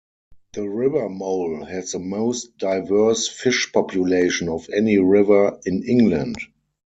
The River Mole has the most diverse fish population of any river in England.